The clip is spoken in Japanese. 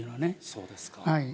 そうですか。